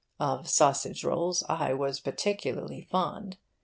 Of sausage rolls I was particularly fond.